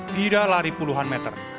fida lari puluhan meter